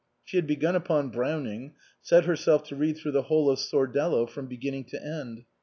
She had begun upon Browning ; set herself to read through the whole of Sordello from beginning to end.